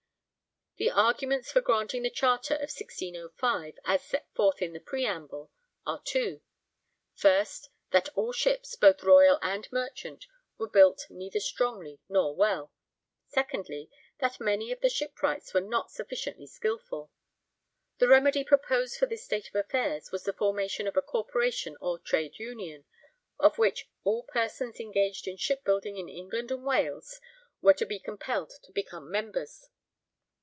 The arguments for granting the Charter of 1605, as set forth in the preamble, are two: first, that all ships, both royal and merchant, were built neither strongly nor well; secondly, that many of the shipwrights were not sufficiently skilful. The remedy proposed for this state of affairs was the formation of a corporation or trade union, of which all persons engaged in shipbuilding in England and Wales were to be compelled to become members.